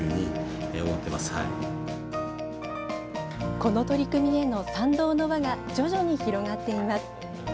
この取り組みへの賛同の輪が徐々に広がっています。